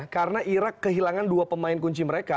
karena irak kehilangan dua pemain kunci mereka